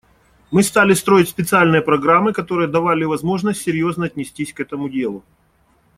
Мы стали строить специальные программы, которые давали возможность серьезно отнестись к этому делу.